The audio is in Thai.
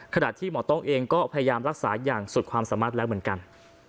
ขณะที่หมอต้องเองก็พยายามรักษาอย่างสุดความสามารถแล้วเหมือนกัน